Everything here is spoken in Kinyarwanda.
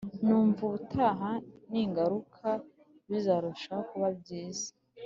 Numva ubutaha ningaruka bizarushaho kuba byiza